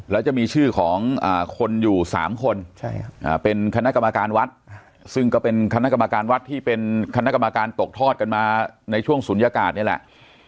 แล้วจะมีชื่อของคนอยู่๓คนเป็นคณะกรรมการวัดซึ่งก็เป็นคณะกรรมการวัดที่เป็นคณะกรรมการตกทอดกันมาในช่วงศูนยากาศนี่แหละ